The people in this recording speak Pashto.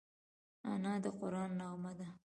انا د قرآن نغمه ده